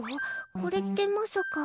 これってまさか。